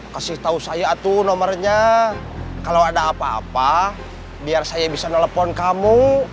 kasih tau saya tuh nomernya kalau ada apa apa biar saya bisa nelfon kamu